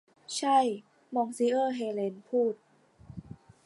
ใช่ มองซิเออร์ เฮเลนพูด